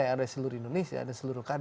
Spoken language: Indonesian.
yang ada di seluruh indonesia